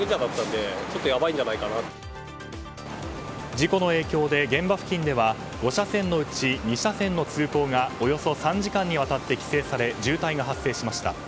事故の影響で、現場付近では５車線のうち２車線の通行がおよそ３時間にわたって規制され渋滞が発生しました。